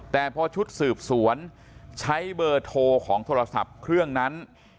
แต่พอชุดสืบสวนใช้เบอร์โทรของโทรศัพท์เครื่องนั้น